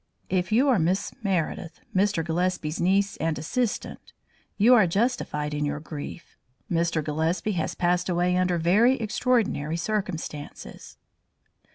"If you are Miss Meredith, Mr. Gillespie's niece and assistant, you are justified in your grief. Mr. Gillespie has passed away under very extraordinary circumstances."